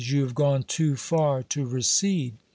You have gone too far to recede.